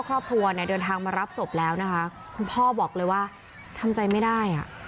ครอบครัวเนี่ยเดินทางมารับศพแล้วนะคะคุณพ่อบอกเลยว่าทำใจไม่ได้อ่ะ